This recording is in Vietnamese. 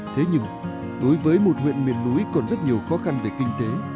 thế nhưng đối với một huyện miền núi còn rất nhiều khó khăn về kinh tế